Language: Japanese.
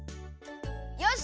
よし！